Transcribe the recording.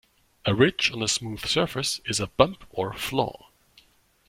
A ridge on a smooth surface is a bump or flaw.